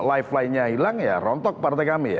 lifeline nya hilang ya rontok partai kami ya